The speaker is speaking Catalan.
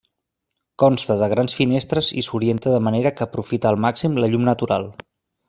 Consta de grans finestres i s'orienta de manera que aprofita al màxim la llum natural.